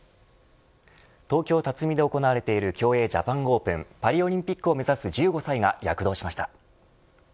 東京、辰己で行われている競泳ジャパンオープンパリオリンピックを目指す１５歳が躍動しました。